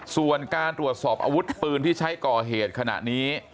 ส่วนการตรวจสอบอาวุธปืนที่ใช้ก่อเหตุขณะนี้